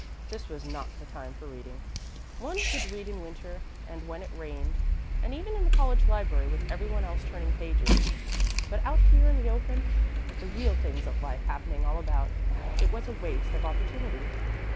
This was not the time for reading. One could read in winter and when it rained, and even in the college library with every one else turning pages; but out here in the open, with the real things of life happening all about, it was a waste of opportunity.